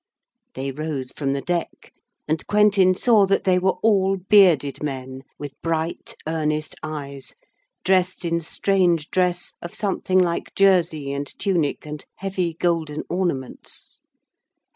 They rose from the deck, and Quentin saw that they were all bearded men, with bright, earnest eyes, dressed in strange dress of something like jersey and tunic and heavy golden ornaments.